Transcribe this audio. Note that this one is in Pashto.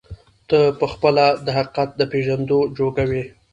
نه په خپله د حقيقت د پېژندو جوگه وي،